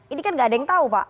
ini kan nggak ada yang tahu pak